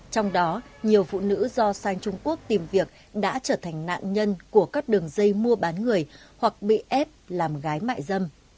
trong đó nhiều phụ nữ do sang trung quốc tìm việc đã trở thành nạn nhân của các đường dây mua bán người hoặc bị ép làm gái mại dâm